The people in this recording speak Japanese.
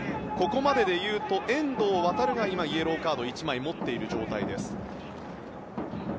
ここまででいうと遠藤航がイエローカードを１枚持っている状態です。